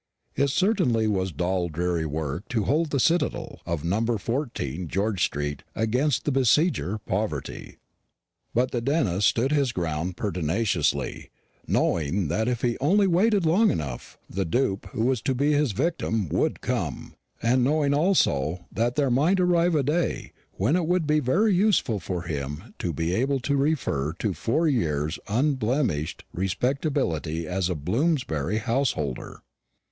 It certainly was dull dreary work to hold the citadel of No. 14 Fitzgeorge street, against the besieger Poverty; but the dentist stood his ground pertinaciously, knowing that if he only waited long enough, the dupe who was to be his victim would come, and knowing also that there might arrive a day when it would be very useful for him to be able to refer to four years' unblemished respectability as a Bloomsbury householder.